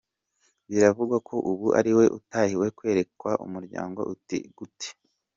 Biravugwa ko ubu ariwe utahiwe kwerekwa umuryango uti gute ?